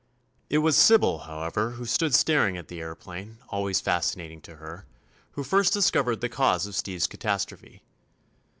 It was Sybil, however, who stood staring at the aëroplane, always fascinating to her, who first discovered the cause of Steve's catastrophe.